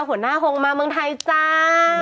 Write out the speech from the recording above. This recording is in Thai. หัวหน้าโฮงมาเมืองไทยจ้า